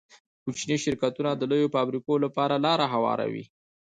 کوچني شرکتونه د لویو فابریکو لپاره لاره هواروي.